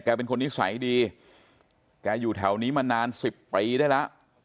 แกเป็นคนนิสัยดีกะอยู่แถวนี้มานาน๑๐ปีเลยละ